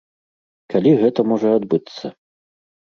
Калі гэта можа адбыцца?